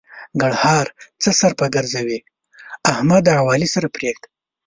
ګړهار: څه سر په ګرځوې؛ احمد او علي سره پرېږده.